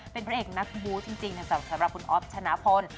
เป็นเพราะสำหรับพระเอกนักบู๊ห์จริงที่ทางสาวสามารถคุณอฟชนพล